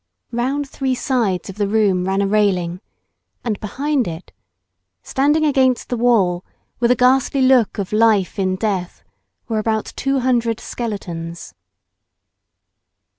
Round three sides of the room ran a railing, and behind it——standing against the wall, with a ghastly look of life in death—were about two hundred skeletons.